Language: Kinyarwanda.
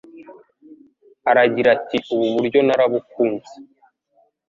Aragira ati Ubu buryo narabukunze.